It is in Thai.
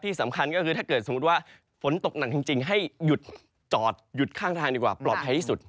สำคัญก็คือถ้าเกิดสมมุติว่าฝนตกหนักจริงให้หยุดจอดหยุดข้างทางดีกว่าปลอดภัยที่สุด